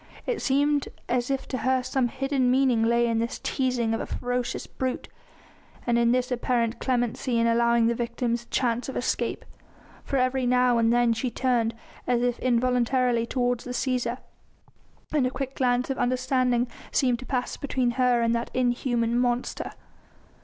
It seemed as if to her some hidden meaning lay in this teasing of a ferocious brute, and in this apparent clemency in allowing the victims a chance of escape, for every now and then she turned as if involuntarily toward the Cæsar, and a quick glance of understanding seemed to pass between her and that inhuman monster.